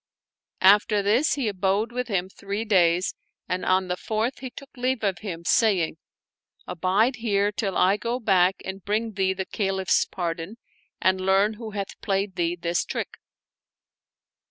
After this he abode with him three days and on the fourth he took leave of him, saying, " Abide here till I go back and bring thee the Caliph's pardon and learn who hath played thee this trick."